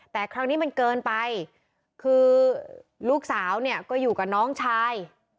แต่คราวนี้มันเกินไปคือลูกสาวเนี่ยก็อยู่กับน้องชาย